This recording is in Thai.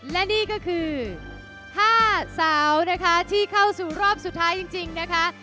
และนี่ก็คือ๕สาวนะคะที่เข้าสู่รอบสุดท้ายจริงนะคะ